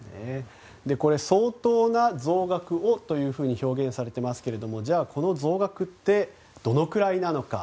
相当な増額をと表現されていますがじゃあ、この増額ってどのくらいなのか。